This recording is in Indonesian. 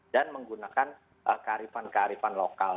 dan menggunakan kearifan kearifan lokal